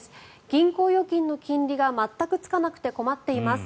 銀行預金の金利が全くつかなくて困っています。